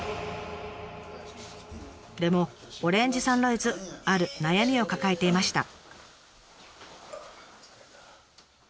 でもオレンジサンライズある悩みを抱えていました。